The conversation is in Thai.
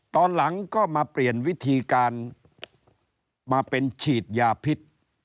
ตอนหลังก็มาเปลี่ยนวิธีการมาเป็นฉีดยาพิษ